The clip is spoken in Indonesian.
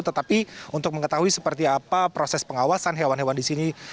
tetapi untuk mengetahui seperti apa proses pengawasan hewan hewan di sini